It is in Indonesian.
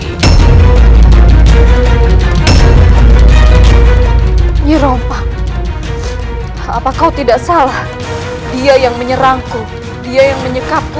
ini rompa apa kau tidak salah dia yang menyerangku dia yang menyekapku